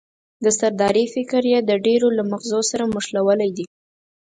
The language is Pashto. د سردارۍ فکر یې د ډېرو له مغزو سره مښلولی دی.